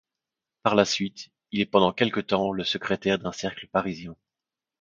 Par la suite, il est pendant quelque temps le secrétaire d'un cercle parisien.